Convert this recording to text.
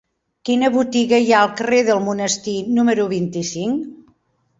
Quina botiga hi ha al carrer del Monestir número vint-i-cinc?